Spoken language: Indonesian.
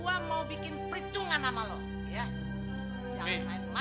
gua mau bikin pericungan sama lo ya